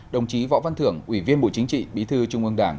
đồng chí võ văn thưởng ủy viên bộ chính trị bí thư trung ương đảng